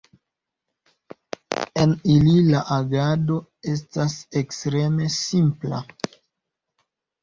En ili la agado estas ekstreme simpla.